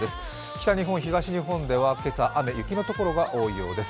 北日本、東日本では今朝雨、雪のところが多いようです。